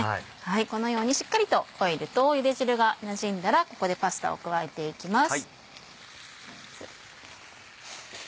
このようにしっかりとオイルとゆで汁がなじんだらここでパスタを加えていきます。